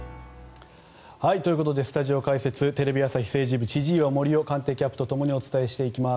スタジオ解説テレビ朝日政治部の千々岩森生官邸キャップと共にお伝えしていきます。